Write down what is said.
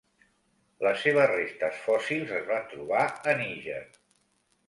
Les seves restes fòssils es van trobar a Níger.